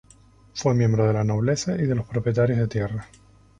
Fue miembro de la nobleza y de los propietarios de tierras.